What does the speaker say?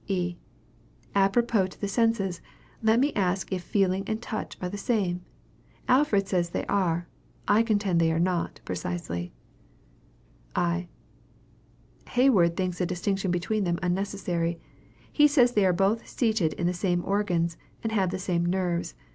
E. Apropos to the senses, let me ask if feeling and touch are the same. Alfred says they are; I contend they are not, precisely. I. Hayward thinks a distinction between them unnecessary. He says they are both seated in the same organs, and have the same nerves.